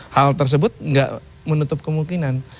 hal tersebut tidak menutup kemungkinan